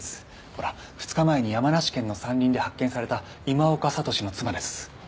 ほら２日前に山梨県の山林で発見された今岡智司の妻です。